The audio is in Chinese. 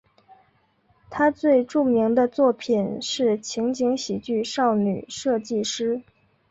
他最著名的作品是情景喜剧少女设计师。